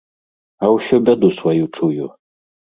А ўсё бяду сваю чую!